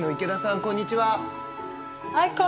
こんにちは。